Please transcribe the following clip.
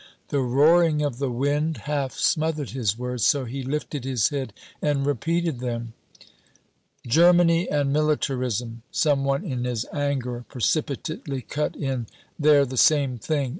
The roaring of the wind half smothered his words, so he lifted his head and repeated them. "Germany and militarism" some one in his anger precipitately cut in "they're the same thing.